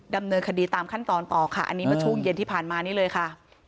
ดำเนินคดีตามขั้นตอนต่อค่ะอันนี้เมื่อช่วงเย็นที่ผ่านมานี่เลยค่ะ